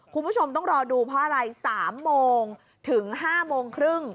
คุณผู้ชมต้องรอดูเพราะอะไร๓โมงถึง๕โมงครึ่ง